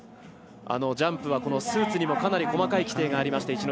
ジャンプはスーツにもかなり細かい規定がありまして。